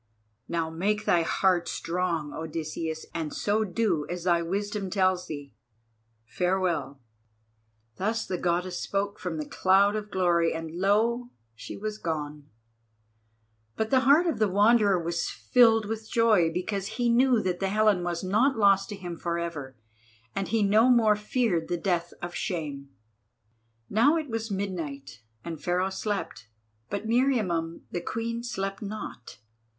Now make thy heart strong, Odysseus, and so do as thy wisdom tells thee. Farewell!" Thus the Goddess spoke from the cloud of glory, and lo! she was gone. But the heart of the Wanderer was filled with joy because he knew that the Helen was not lost to him for ever, and he no more feared the death of shame. Now it was midnight, and Pharaoh slept. But Meriamun the Queen slept not.